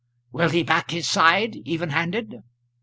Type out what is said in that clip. "Will he back his side, even handed?"